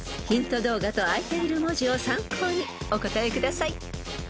［ヒント動画とあいている文字を参考にお答えください］